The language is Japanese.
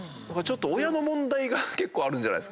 親の問題が結構あるんじゃない。